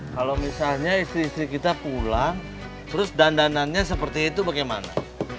kalau misalnya istri istri kita pulang terus dandanannya seperti itu bagaimana